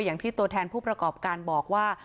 อย่างที่ตัวแทนผู้ประกอบการบอกว่า